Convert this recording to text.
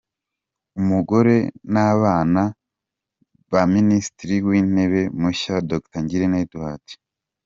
Umugore n’abana ba Minisitiri w’Intebe mushya, Dr Ngirente Edouard.